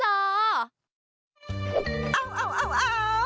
เอ้าเอ้าเอ้าเอ้า